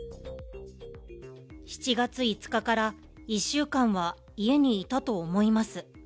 ７月５日から１週間は家にいたと思います。